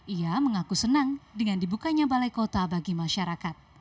ia mengaku senang dengan dibukanya balai kota bagi masyarakat